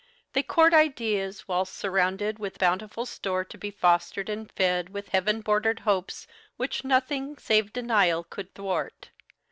They court ideas whilst surrounded with bountiful store to be fostered and fed with heaven bordered hopes which nothing save denial could thwart.